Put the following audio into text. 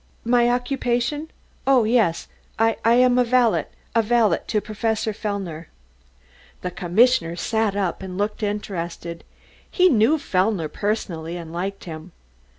"My occupation? Oh, yes, I I am a valet, valet to Professor Fellner." The commissioner sat up and looked interested. He knew Fellner personally and liked him.